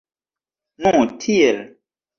Nu tiel.